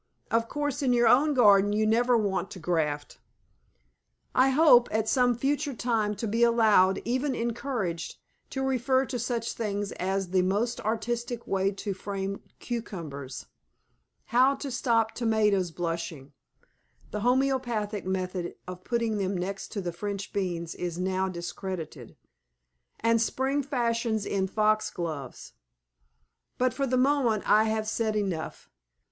Of course in your own garden you never want to graft. I hope, at some future time to be allowed even encouraged to refer to such things as The Most Artistic Way to Frame Cucumbers, How to Stop Tomatoes Blushing (the homoeopathic method of putting them next to the French beans is now discredited), and Spring Fashions in Fox Gloves. But for the moment I have said enough.